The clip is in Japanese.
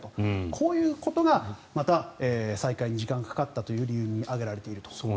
こういうことが再開に時間がかかったという理由に挙げられていると。